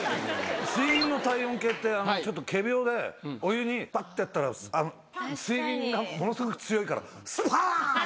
水銀の体温計ってちょっと仮病でお湯にパッてやったら水銀がものすごく強いから。